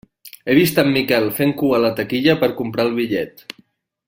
He vist en Miquel fent cua a la taquilla per comprar el bitllet.